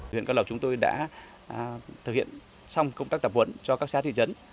huyện cao lộc chúng tôi đã thực hiện xong công tác tập huấn cho các xã thị trấn